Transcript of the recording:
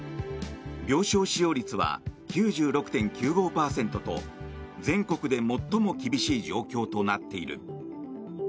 病床使用率は９６．９５％と全国で最も厳しい状況となっている。